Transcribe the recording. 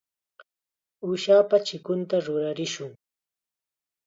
Uushapa chikunta rurarishun.